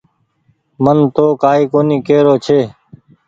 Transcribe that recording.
مين تو ڪآئي ڪونيٚ ڪي رو ڇي۔